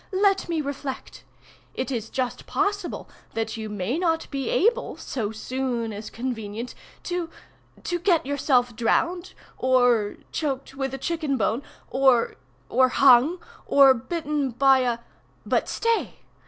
Let me reflect! It is just possible that you may not be able, so soon as convenient, to—to—get yourself drowned, or—choked with a chicken bone, or—or hung,—or—bitten by a—but stay!